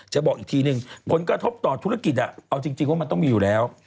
บอกอีกทีนึงผลกระทบต่อธุรกิจเอาจริงว่ามันต้องมีอยู่แล้ว